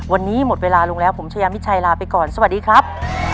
วันนี้หมดเวลาลงแล้วผมชายามิชัยลาไปก่อนสวัสดีครับ